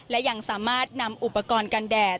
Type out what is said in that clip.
และยังสามารถนำอุปกรณ์กันแดด